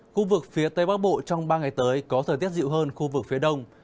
khu vực phía tây bắc bộ trong ba ngày tới có thời tiết dịu hơn khu vực phía đông